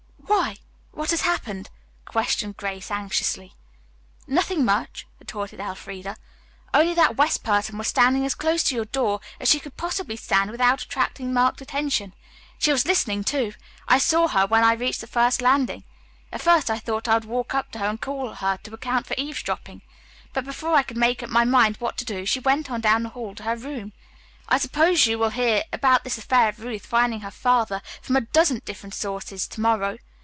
"Why? What has happened?" questioned Grace anxiously. "Nothing much," retorted Elfreda, "only that West person was standing as close to your door as she could possibly stand without attracting marked attention. She was listening, too. I saw her when I reached the first landing. At first I thought I would walk up to her and call her to account for eavesdropping. But before I could make up my mind just what to do she went on down the hall to her room. I suppose you will hear about this affair of Ruth finding her father from a dozen different sources to morrow.